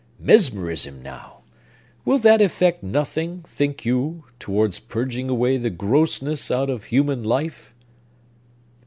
Mesmerism, now! Will that effect nothing, think you, towards purging away the grossness out of human life?"